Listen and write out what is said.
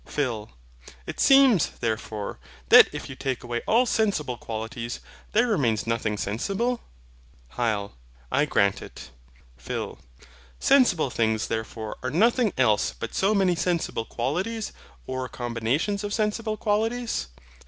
PHIL. It seems, therefore, that if you take away all sensible qualities, there remains nothing sensible? HYL. I grant it. PHIL. Sensible things therefore are nothing else but so many sensible qualities, or combinations of sensible qualities?